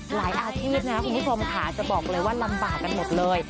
หลายอาทิตย์นะครับคุณพี่ฟรมค่ะจะบอกเลยว่าลำบากกันหมดเลย